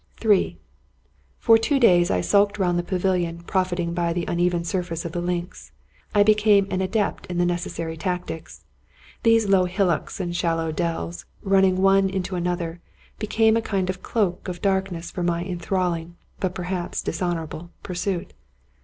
167 Scotch Mystery Stories III For two days I skulked round the pavilion, profiting by the uneven surface of the links. I became an adept in the necessary tactics. These low hillocks and shallow dells, running one into another, became a kind of cloak of dark ness for my inthralling, but perhaps dishonorable, pursuit.